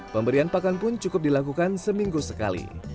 pemberian pakan pun cukup dilakukan seminggu sekali